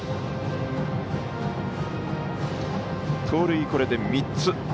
盗塁、これで３つ。